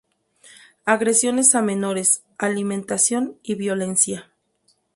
Agresiones a menores, Alimentación y Violencia.